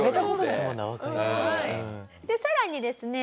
さらにですね